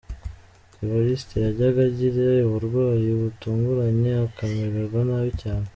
Evariste Yajyaga agira uburwayi butunguranye, akamererwa nabi cyane.